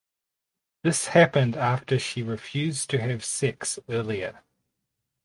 This happened after she refused to have sex earlier.